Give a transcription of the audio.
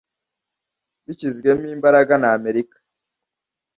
bishyizwemo imbaraga na Amerika,